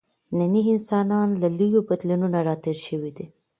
نننی انسان له لویو بدلونونو راتېر شوی دی.